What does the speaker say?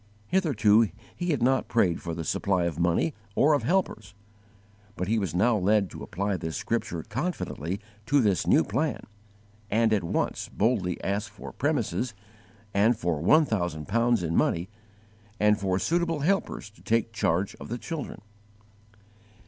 Hitherto he had not prayed for the supply of money or of helpers, but he was now led to apply this scripture confidently to this new plan, and at once boldly to ask _for premises, and for one thousand pounds in money, and for suitable helpers to take charge of the children.